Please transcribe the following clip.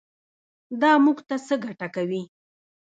دا موږ ته څه ګټه کوي.